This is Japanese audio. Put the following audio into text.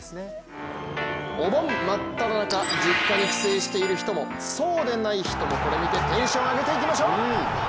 お盆真っただ中実家に帰省している人もそうでない人もこれ見てテンション上げていきましょう！